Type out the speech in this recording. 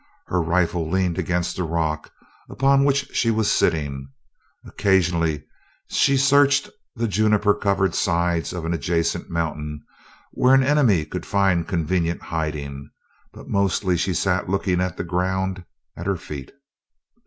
Her rifle leaned against the rock upon which she was sitting. Occasionally she searched the juniper covered sides of an adjacent mountain where an enemy could find convenient hiding, but mostly she sat looking at the ground at her feet.